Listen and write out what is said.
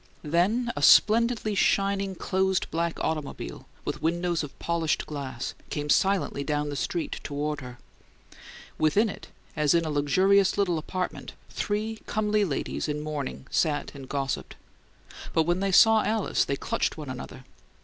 Then a splendidly shining closed black automobile, with windows of polished glass, came silently down the street toward her. Within it, as in a luxurious little apartment, three comely ladies in mourning sat and gossiped; but when they saw Alice they clutched one another.